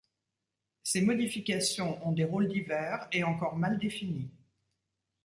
Ces modifications ont des rôles divers et encore mal définis.